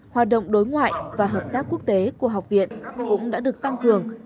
hoạt động đối ngoại và hợp tác quốc tế của học viện cũng đã được tăng cường